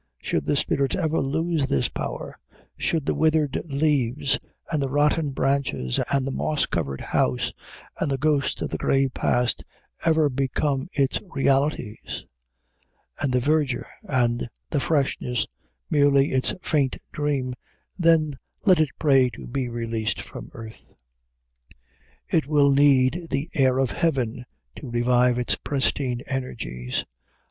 Should the spirit ever lose this power should the withered leaves and the rotten branches and the moss covered house and the ghost of the gray past ever become its realities, and the verdure and the freshness merely its faint dream then let it pray to be released from earth. It will need the air of heaven to revive its pristine energies.